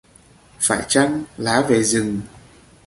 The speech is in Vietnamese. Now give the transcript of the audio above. Phải chăng lá về rừng